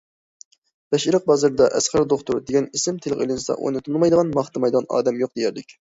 بەشئېرىق بازىرىدا« ئەسقەر دوختۇر» دېگەن ئىسىم تىلغا ئېلىنسا ئۇنى تونۇمايدىغان، ماختىمايدىغان ئادەم يوق دېيەرلىك.